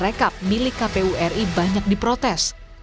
rekapitulasi atau sirekap milik kpu ri banyak diprotes